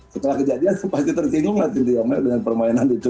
setelah kejadian pasti tersinggung lah sintayong dengan permainan itu